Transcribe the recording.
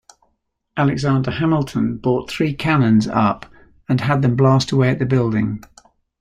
Alexander Hamilton brought three cannons up and had them blast away at the building.